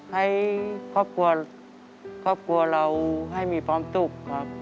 ให้ครอบครัวเราให้มีปลอมสุขครับ